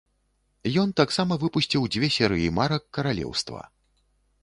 Ён таксама выпусціў дзве серыі марак каралеўства.